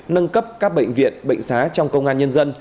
nâng cấp các bệnh viện bệnh xá trong công an nhân dân